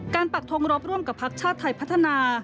การปรักฐงรบร่วมกับพรรคชาติไทยพัฒนา